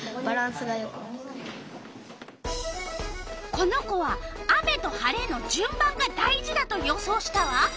この子は雨と晴れのじゅん番が大事だと予想したわ。